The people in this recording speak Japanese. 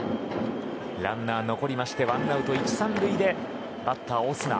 ランナー、残りましてワンアウト１塁３塁でバッターはオスナ。